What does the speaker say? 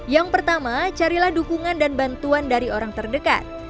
yang pertama carilah dukungan dan bantuan dari orang terdekat